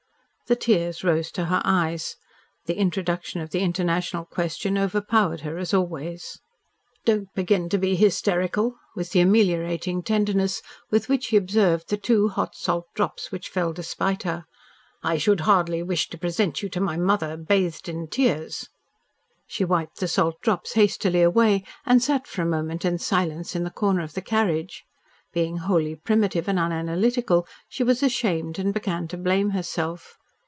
The tears rose to her eyes. The introduction of the international question overpowered her as always. "Don't begin to be hysterical," was the ameliorating tenderness with which he observed the two hot salt drops which fell despite her. "I should scarcely wish to present you to my mother bathed in tears." She wiped the salt drops hastily away and sat for a moment silent in the corner of the carriage. Being wholly primitive and unanalytical, she was ashamed and began to blame herself.